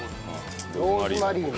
ローズマリーも。